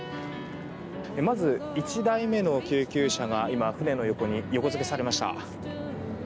まず１台目の救急車が今、船の横に横付けされました。